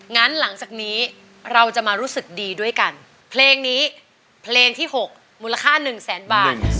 หลังจากนี้เราจะมารู้สึกดีด้วยกันเพลงนี้เพลงที่๖มูลค่าหนึ่งแสนบาท